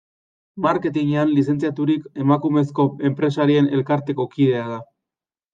Marketinean lizentziaturik, Emakumezko Enpresarien elkarteko kidea da.